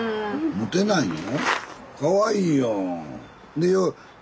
モテないの？